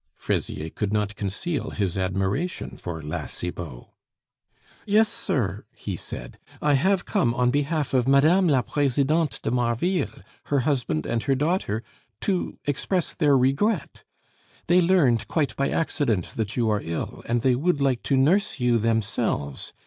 Fraisier could not conceal his admiration for La Cibot. "Yes, sir," he said, "I have come on behalf of Mme. la Presidente de Marville, her husband, and her daughter, to express their regret. They learned quite by accident that you are ill, and they would like to nurse you themselves.